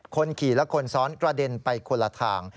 คนขี่และคนซ้อนกระเด็นไปคนละทาง